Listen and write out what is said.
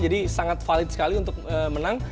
jadi sangat valid sekali untuk menang